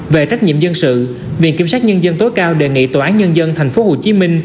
về trách nhiệm dân sự viện kiểm sát nhân dân tối cao đề nghị tòa án nhân dân tp hcm